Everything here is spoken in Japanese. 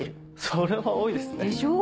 それは多いですね。でしょう？